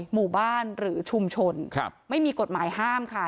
หมู่บ้านหรือชุมชนไม่มีกฎหมายห้ามค่ะ